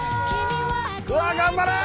うわ頑張れ！